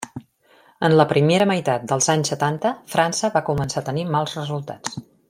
En la primera meitat dels anys setanta, França va començar a tenir mals resultats.